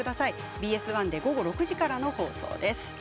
ＢＳ１で午後６時からの放送です。